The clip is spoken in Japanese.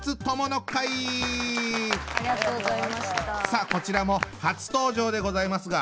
さあこちらも初登場でございますが。